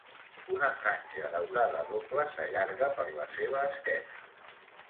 Una franja daurada doble s'allarga per la seva esquena.